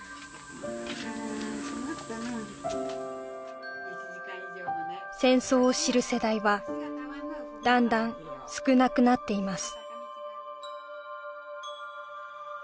ああ困ったな戦争を知る世代はだんだん少なくなっています